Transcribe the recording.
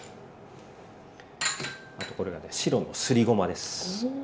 あとこれがね白のすりごまです。